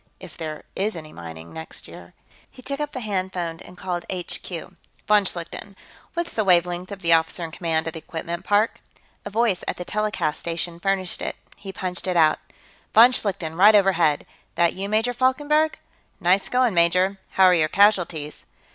If there is any mining, next year. He took up the hand phone and called HQ. "Von Schlichten, what's the wavelength of the officer in command at the equipment park?" A voice at the telecast station furnished it; he punched it out. "Von Schlichten, right overhead. That you, Major Falkenberg? Nice going, major, how are your casualties?"